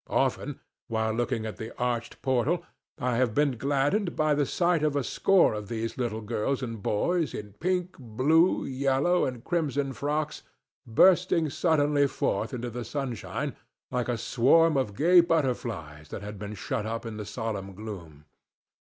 Often, while looking at the arched portal, I have been gladdened by the sight of a score of these little girls and boys in pink, blue, yellow and crimson frocks bursting suddenly forth into the sunshine like a swarm of gay butterflies that had been shut up in the solemn gloom.